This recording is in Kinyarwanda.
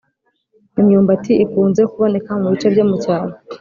Imyumbati ikunze kuboneka mubice byo mucyaro